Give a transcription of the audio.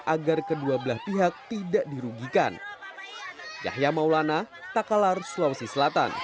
agar kedua belah pihak tidak dirugikan yahya maulana takalar sulawesi selatan